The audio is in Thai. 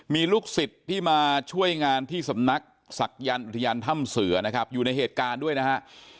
มีลูกศิษย์ที่มาช่วยงานที่สำนักศักยันต์อุทยานถ้ำเสือนะครับอยู่ในเหตุการณ์ด้วยนะฮะ